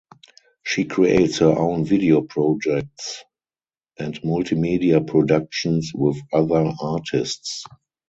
She creates her own video projects and multimedia productions with other artists.